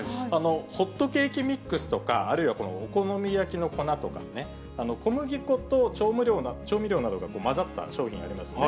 ホットケーキミックスとか、あるいはこのお好み焼きの粉とかね、小麦粉と調味料などが混ざった商品ありますよね。